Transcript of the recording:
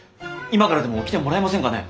今からでも来てもらえませんかね？